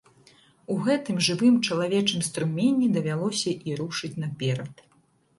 У гэтым жывым чалавечым струмені давялося і рушыць наперад.